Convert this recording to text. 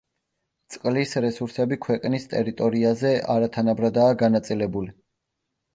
წყლის რესურსები ქვეყნის ტერიტორიაზე არათანაბრადაა განაწილებული.